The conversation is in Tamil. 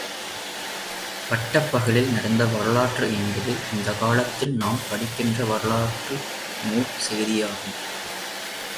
பட்டப் பகலில் நடந்த வரலாறு என்பது, இந்தக் காலத்தில் நாம் படிக்கின்ற வரலாற்று நூல் செய்தியாகும்.